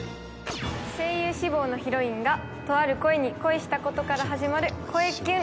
声優志望のヒロインがとある声に恋したことから始まる“声キュン”